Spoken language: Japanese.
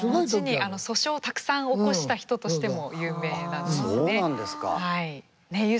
後に訴訟をたくさん起こした人としても有名なんですね。